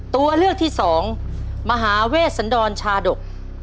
ตัวเลือกที่สองมหาเวชสันดรชาดก